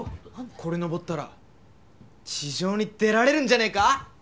・これ上ったら地上に出られるんじゃねぇか！？